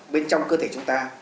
bên trong cơ thể chúng ta